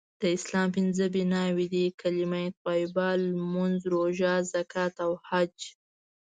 د اسلام پنځه بنأوي دي.کلمه طیبه.لمونځ.روژه.زکات.او حج